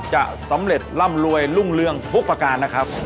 จะสำเร็จร่ำรวยรุ่งเรืองทุกประการนะครับ